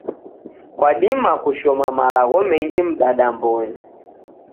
Kwadima kushoma malagho mengi mdadambonyi